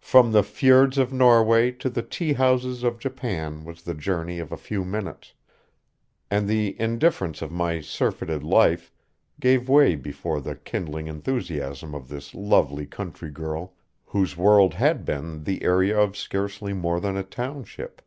From the fjords of Norway to the tea houses of Japan was the journey of a few minutes, and the indifference of my surfeited life gave way before the kindling enthusiasm of this lovely country girl, whose world had been the area of scarcely more than a township.